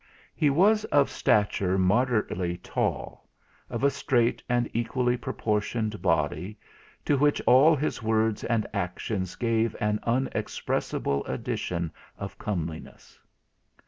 He was of stature moderately tall; of a straight and equally proportioned body, to which all his words and actions gave an unexpressible addition of comeliness.